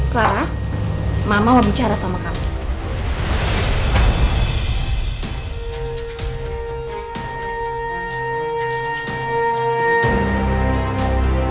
clara mama berbicara sama kamu